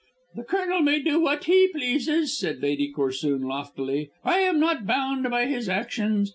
"The Colonel may do what he pleases," said Lady Corsoon loftily. "I am not bound by his actions.